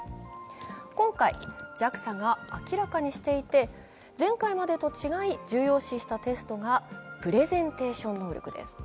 今回、ＪＡＸＡが明らかにしていて前回までと違い重要視したテストがプレゼンテーション能力です。